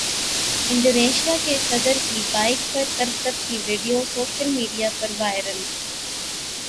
Indonesia کے صدر کی بائیک پر کرتب کی ویڈیو سوشل میڈیا پر وائرل